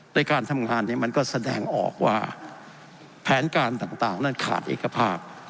ในการทำงานเนี่ยมันก็แสดงออกว่าแผนการต่างนั้นขาดเอกภาพ